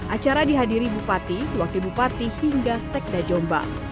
acara dihadiri bupati wakil bupati hingga sekda jombang